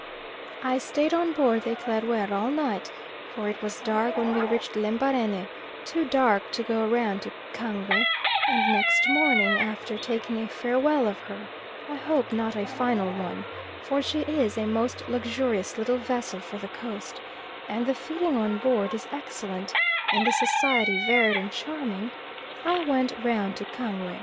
I stayed on board the Eclaireur all night; for it was dark when we reached Lembarene, too dark to go round to Kangwe; and next morning, after taking a farewell of her I hope not a final one, for she is a most luxurious little vessel for the Coast, and the feeding on board is excellent and the society varied and charming I went round to Kangwe.